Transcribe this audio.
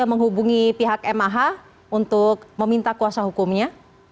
mencari dua alat bukti itu bisa saja